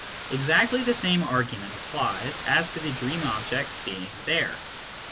Exactly the same argument applies as to the dream objects being " there."